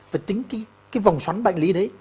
và chính cái vòng xoắn bệnh lý đấy